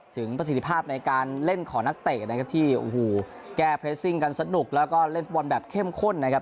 ประสิทธิภาพในการเล่นของนักเตะนะครับที่โอ้โหแก้เรสซิ่งกันสนุกแล้วก็เล่นฟุตบอลแบบเข้มข้นนะครับ